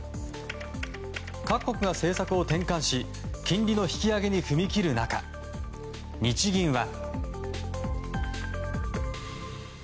各国が政策を転換し金利の引き上げに踏み切る中日銀は。